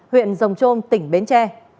huyện rồng trôm tỉnh bến tre